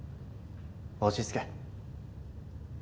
落ち着け。